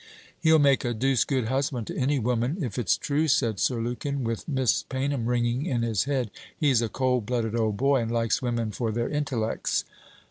'He'll make a deuced good husband to any woman if it's true,' said Sir Lukin, with Miss Paynham ringing in his head. 'He's a cold blooded old boy, and likes women for their intellects.'